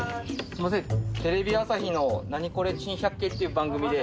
すいませんテレビ朝日の『ナニコレ珍百景』っていう番組で。